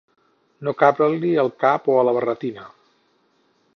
No cabre-li al cap o a la barretina.